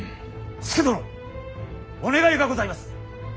佐殿お願いがございます。